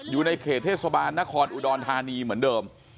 อยู่ในเขตเทศบาลนครอุดรธานีเหมือนเดิม